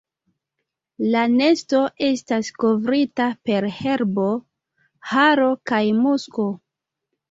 La nesto estas kovrita per herbo, haro kaj musko.